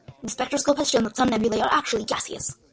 The spectroscope has shown that some nebulae are actually gaseous.